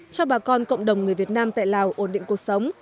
cho bà con cộng đồng người việt nam tại lào ổn định cuộc sống